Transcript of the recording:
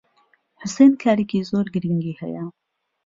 حوسێن کارێکی زۆر گرنگی ھەیە.